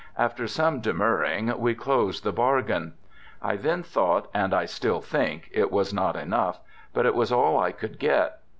After some demurring, we closed the bargain. I then thought and I still think it was not enough ; but it was all I could get.